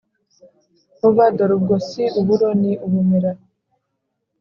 vuba, dorubwo si uburo ni ubumera!